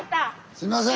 すいません！